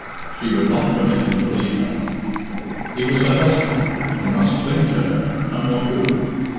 She would not permit him to leave her. He was her husband, and he must cling to her, come what would.